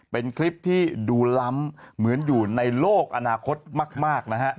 เป็นคลิปที่ดูล้ำเหมือนอยู่ในโลกอนาคตมากนะครับ